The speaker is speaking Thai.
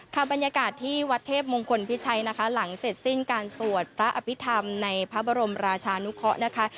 บรรยากาศที่วัดเทพมงคลพิชัยนะคะหลังเสร็จสิ้นการสวดพระอภิษฐรรมในพระบรมราชานุเคาะนะคะ